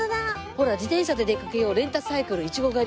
ほら「自転車で出かけようレンタサイクルいちご狩り」。